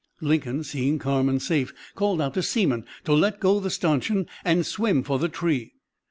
"Lincoln, seeing Carman safe, called out to Seamon to let go the stanchion and swim for the tree.